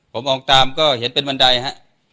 ผมมองตามนะเห็นเป็นบันไดครับ